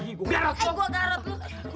eh gua garot lu